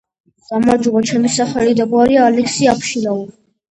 გამარჯობა ჩემი სახელი და გვარია ალექსი აბშილავა